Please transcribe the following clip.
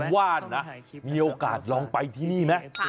ว่านนะมีโอกาสลองไปที่นี่ไหม